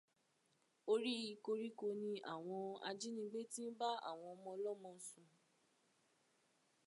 Orí koríko ni àwọn ajínigbé ti ń bá àwọn ọmọ ọlọ́mọ sùn.